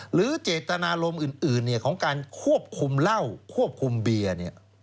หรือเจตนารมณ์อื่นของการควบคุมเหล้าควบคุมเบียร์